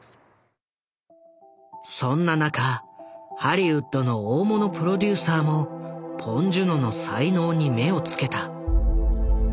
そんな中ハリウッドの大物プロデューサーもポン・ジュノの才能に目をつけた。